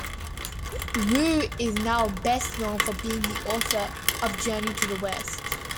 Wu is now best known for being the author of Journey to the West.